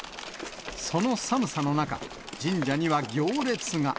その寒さの中、神社には行列が。